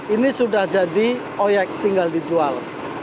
ini sudah jadi oyek tinggal dijual